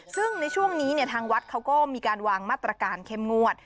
ซึ่งในช่วงนี้ทางวัดเขาก็มีการวางมาตรการเข้มงวด